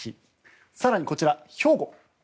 更に、こちら兵庫。